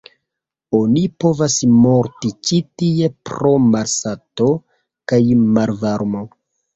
Oni povas morti ĉi tie pro malsato kaj malvarmo.